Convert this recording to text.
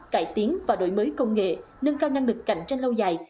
cải tiến và đổi mới công nghệ nâng cao năng lực cạnh tranh lâu dài